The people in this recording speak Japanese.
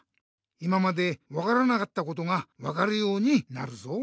今まで分からなかったことが分かるようになるぞ。